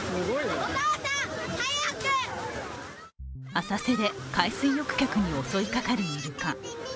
浅瀬で海水浴客に襲いかかるイルカ。